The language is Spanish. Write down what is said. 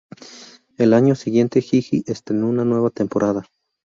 El año siguiente, Hi Hi estrenó una nueva temporada.